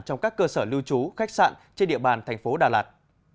trong các cơ sở lưu trú khách sạn trên địa bàn tp đà lạt